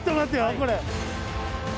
これ。